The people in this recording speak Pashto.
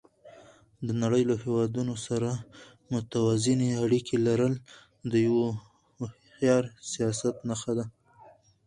د نړۍ له هېوادونو سره متوازنې اړیکې لرل د یو هوښیار سیاست نښه ده.